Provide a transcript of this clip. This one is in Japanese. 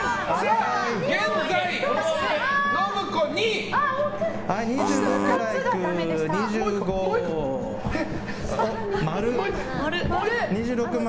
現在、信子２！２５、丸。